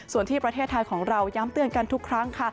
ส่วนที่ประเทศไทยของเราย้ำเตือนกันทุกครั้งค่ะ